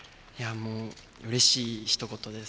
もううれしい、ひと言です。